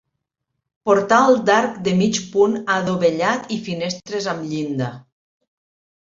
Portal d'arc de mig punt adovellat i finestres amb llinda.